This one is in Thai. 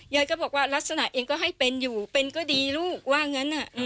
ยายก็บอกว่าลักษณะเองก็ให้เป็นอยู่เป็นก็ดีลูกว่างั้น